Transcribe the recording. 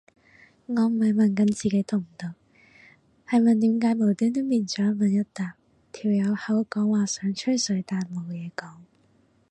我唔係問緊自己毒唔毒，係問點解無端端變咗一問一答，條友口講話想吹水但冇嘢講